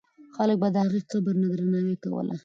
خلک به د هغې قبر ته درناوی کوله.